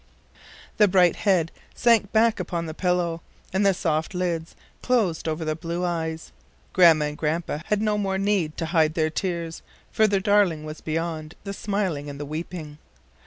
" The bright head sank back upon the pillow and the soft lids closed over the blue eyes. Grandma and Grandpa had no more need to hide their tears, for their darling was beyond "the smiling and the weeping."